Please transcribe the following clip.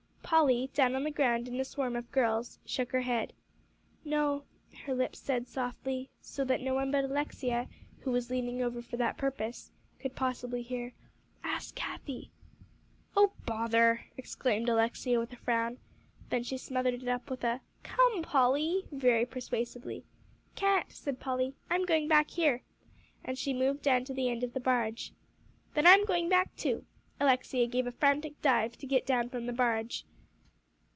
Polly, down on the ground in a swarm of girls, shook her head. "No," her lips said softly, so that no one but Alexia, who was leaning over for that purpose, could possibly hear, "ask Cathie." "Oh bother!" exclaimed Alexia, with a frown. Then she smothered it up with a "Come, Polly," very persuasively. "Can't," said Polly; "I'm going back here." And she moved down to the end of the barge. "Then I'm going back too." Alexia gave a frantic dive to get down from the barge.